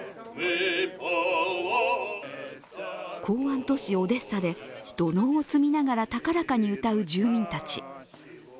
港湾都市オデッサで土のうを積みながら高らかに歌う住民たち。